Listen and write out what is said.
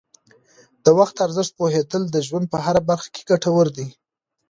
د وخت ارزښت پوهیدل د ژوند په هره برخه کې ګټور دي.